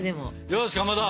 よしかまど。